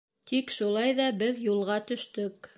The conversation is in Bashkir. Тик шулай ҙа беҙ юлға төштөк.